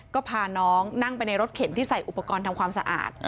ก็พาน้องนั่งไปในรถเข็นที่ใส่อุปกรณ์ทำความสะอาด